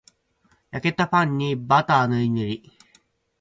焼けたパンにバターぬりぬり